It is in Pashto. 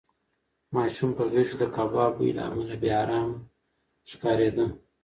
ماشوم په غېږ کې د کباب بوی له امله بې ارامه ښکارېده.